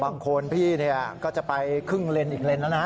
บางคนพี่ก็จะไปครึ่งเลนอีกเลนแล้วนะ